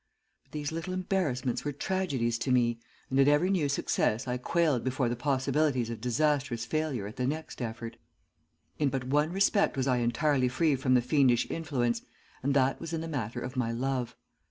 But these little embarrassments were tragedies to me, and at every new success I quailed before the possibilities of disastrous failure at the next effort. In but one respect was I entirely free from the fiendish influence, and that was in the matter of my love.